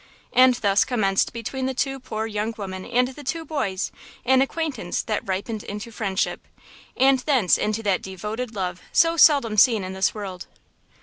And thus commenced between the two poor young women and the two boys an acquaintance that ripened into friendship, and thence into that devoted love so seldom seen in this world.